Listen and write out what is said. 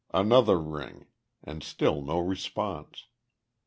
Another ring and still no response.